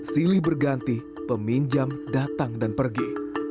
silih berganti peminjam datang dan pergi